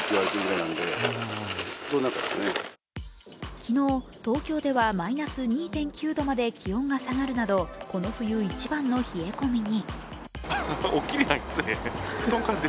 昨日、東京ではマイナス２．９度まで気温が下がるなどこの冬一番の冷え込みに。